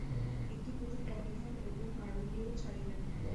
একটি পুতুল কর্ণধার এবং আরোহীও ছাড়িলেন না।